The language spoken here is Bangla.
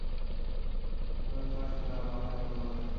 নতুন নতুন শাক-সবজির আনাগোনায় জমিগুলো ভরে যায়।